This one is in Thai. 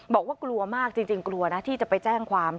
บอกว่ากลัวมากจริงกลัวนะที่จะไปแจ้งความ